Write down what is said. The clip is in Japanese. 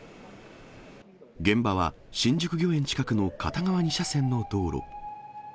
現場は新宿御苑近くの片側２車線の道路。